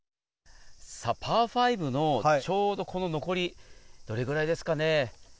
パー５のちょうど残り、どれくらいですかね？